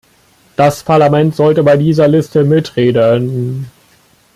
Das Parlament sollte bei dieser Liste mitreden.